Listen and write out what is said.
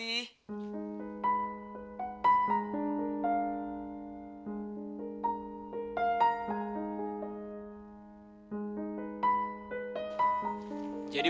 pesta dalam rangka apa sih